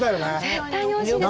絶対においしいですね。